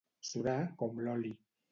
Surar com l'oli.